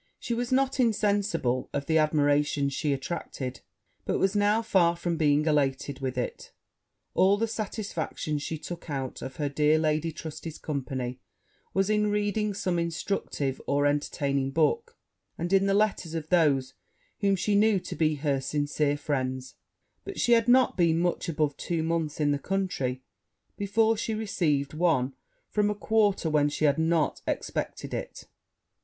She was not insensible of the admiration she attracted; but was now far from being elated with it: all the satisfaction she took out of her dear Lady Trusty's company was in reading some instructive or entertaining book, and in the letters of those whom she knew to be her sincere friends; but she had not been much above two months in the country before she received one from a quarter whence she had not expected it.